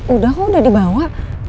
udah kok udah dibawa